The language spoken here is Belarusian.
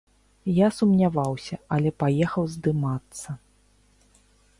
Я сумняваўся, але паехаў здымацца.